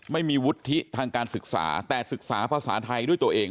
ไม่มีวุฒิทางการศึกษาแต่ศึกษาภาษาไทยด้วยตัวเอง